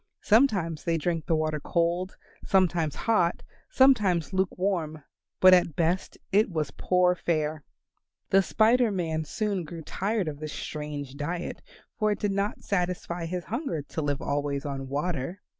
Sometimes they drank the water cold, sometimes hot, sometimes luke warm, but at best it was but poor fare. The Spider Man soon grew tired of this strange diet, for it did not satisfy his hunger to live always on water.